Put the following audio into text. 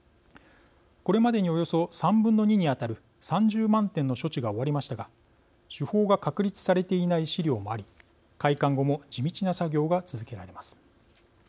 これまでにおよそ３分の２に当たる３０万点の処置が終わりましたが手法が確立されていない資料もあり、開館後も地道な作業が続けられます。